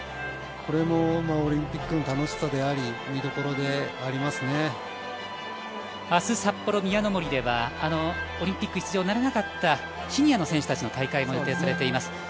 これもオリンピックの楽しさであり明日、札幌・宮の森ではオリンピック出場ならなかったシニアの選手たちの大会も予定されています。